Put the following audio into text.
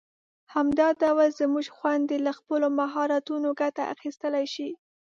همدا ډول زموږ خويندې له خپلو مهارتونو ګټه اخیستلای شي.